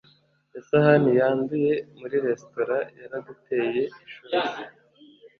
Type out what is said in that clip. isahani yanduye muri resitora yaraduteye ishozi